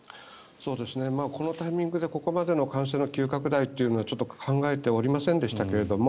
このタイミングでここまでの感染の急拡大はちょっと考えておりませんでしたけれども